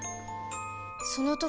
その時